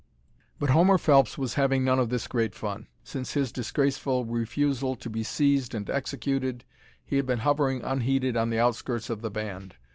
But Homer Phelps was having none of this great fun. Since his disgraceful refusal to be seized and executed he had been hovering unheeded on the outskirts of the band.